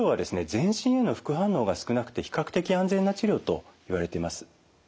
全身への副反応が少なくて比較的安全な治療といわれてます。